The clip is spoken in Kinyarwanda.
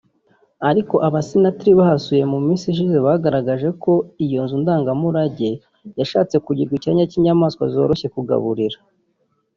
ariko Abasenatri bahasuye mu minsi ishize bagaragaje ko iyo nzu ndangamurage yashatse kugirwa icyanya y’inyamaswa zoroshye kugaburira